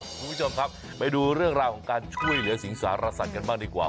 คุณผู้ชมครับไปดูเรื่องราวของการช่วยเหลือสิงสารสัตว์กันบ้างดีกว่า